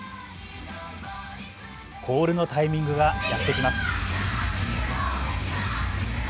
コールのタイミングがやってきます。